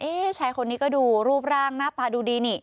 ชายคนนี้ก็ดูรูปร่างหน้าตาดูดีนี่